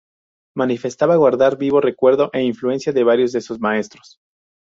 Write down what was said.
Manifestaba guardar vivo recuerdo e influencia de varios de sus maestros.